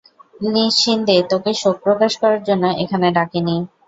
শিন্দে, তোকে শোক প্রকাশ করার জন্য এখানে ডাকিনি।